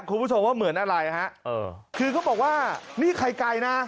คุณผู้ชมว่าเหมือนอะไรฮะเออคือเขาบอกว่านี่ไข่ไก่นะ